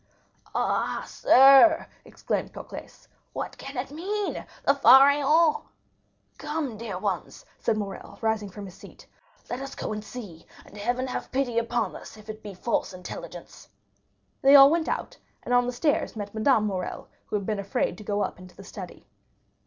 "Ah, sir," exclaimed Cocles, "what can it mean?—the Pharaon?" "Come, dear ones," said Morrel, rising from his seat, "let us go and see, and Heaven have pity upon us if it be false intelligence!" They all went out, and on the stairs met Madame Morrel, who had been afraid to go up into the study.